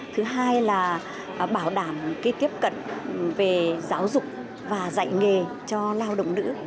thứ hai là bảo đảm cái tiếp cận về giáo dục và dạy nghề cho lao động nữ